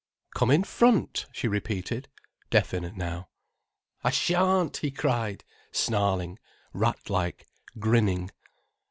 "Come in front," she repeated, definite now. "I shan't," he cried, snarling, rat like, grinning.